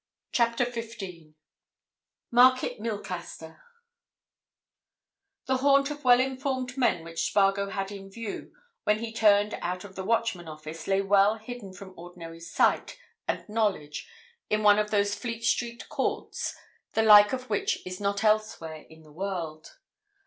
CHAPTER FIFTEEN MARKET MILCASTER The haunt of well informed men which Spargo had in view when he turned out of the Watchman office lay well hidden from ordinary sight and knowledge in one of those Fleet Street courts the like of which is not elsewhere in the world.